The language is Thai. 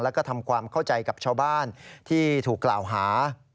แล้วก็ทำความเข้าใจกับชาวบ้านที่ถูกกล่าวหา